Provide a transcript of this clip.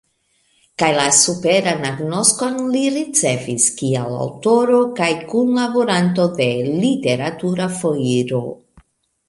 Kaj la superan agnoskon li ricevis kiel aŭtoro kaj kunlaboranto de Literatura foiro.